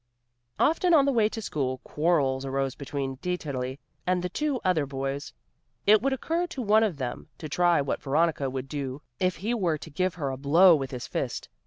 Often, on the way to school, quarrels arose between Dieterli and the two other boys. It would occur to one of them to try what Veronica would do if he were to give her a blow with his fist.